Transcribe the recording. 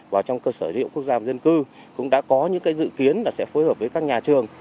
vào trong cơ sở dự kiến quốc gia dân cư cũng đã có những dự kiến sẽ phối hợp với các nhà trường